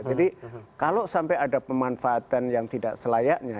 jadi kalau sampai ada pemanfaatan yang tidak selayaknya